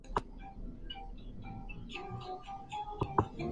El clima puede calificarse como muy variable.